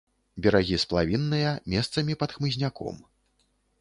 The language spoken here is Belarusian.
Берагі сплавінныя, месцамі пад хмызняком.